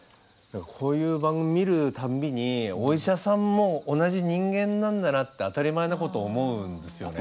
こういう番組見るたんびにお医者さんも同じ人間なんだなって当たり前のことを思うんですよね。